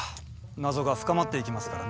謎が深まっていきますからね。